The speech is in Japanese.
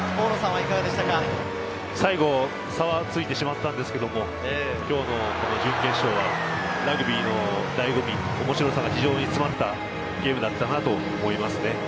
最後、点差はついてしまったんですけれど、今日の準決勝はラグビーの醍醐味、面白さが非常に詰まったゲームだったと思います。